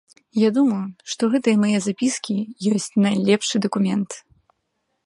Я думаю, што гэтыя мае запіскі ёсць найлепшы дакумент.